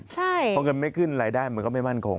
เพราะเงินไม่ขึ้นรายได้มันก็ไม่มั่นคง